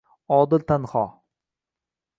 Odil tanho